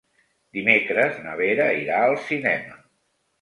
Dimecres na Vera irà al cinema.